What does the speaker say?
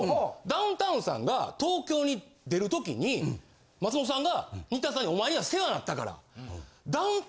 ダウンタウンさんが東京に出るときに松本さんが新田さんに「お前には世話なったから」。